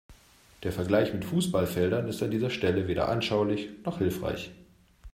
Der Vergleich mit Fußballfeldern ist an dieser Stelle weder anschaulich noch hilfreich.